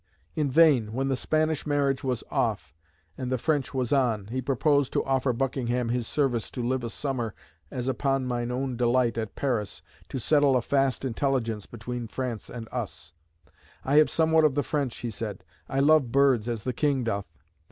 In vain, when the Spanish marriage was off and the French was on, he proposed to offer to Buckingham "his service to live a summer as upon mine own delight at Paris, to settle a fast intelligence between France and us;" "I have somewhat of the French," he said, "I love birds, as the King doth."